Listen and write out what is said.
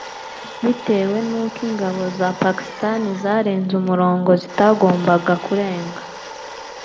bitewe n’uko ingabo za Pakistan zarenze umurongo zitagombaga kurenga